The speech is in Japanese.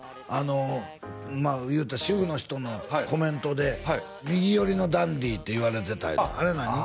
あのまあ言うたら主婦の人のコメントで右寄りのダンディーって言われてたいうのあれ何？